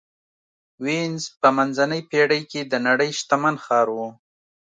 وینز په منځنۍ پېړۍ کې د نړۍ شتمن ښار و